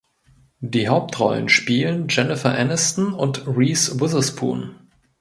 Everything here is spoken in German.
Die Hauptrollen spielen Jennifer Aniston und Reese Witherspoon.